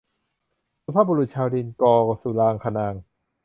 สุภาพบุรุษชาวดิน - ก สุรางคนางค์